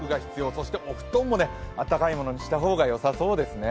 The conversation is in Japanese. そしてお布団も暖かいものにした方がよさそうですね。